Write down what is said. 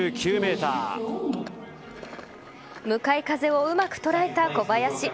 向かい風をうまく捉えた小林。